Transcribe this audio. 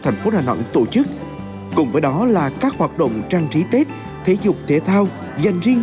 thành phố đà nẵng tổ chức cùng với đó là các hoạt động trang trí tết thể dục thể thao dành riêng